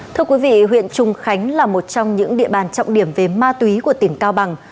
thưa quý vị huyện trùng khánh là một trong những địa bàn trọng điểm về ma túy của tỉnh cao bằng